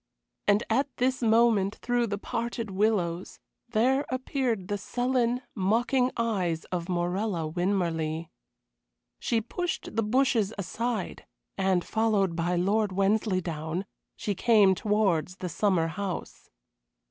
And at this moment, through the parted willows, there appeared the sullen, mocking eyes of Morella Winmarleigh. She pushed the bushes aside, and, followed by Lord Wensleydown, she came towards the summer house.